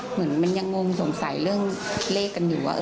เหมือนมันยังงงสงสัยเรื่องเลขกันอยู่ว่า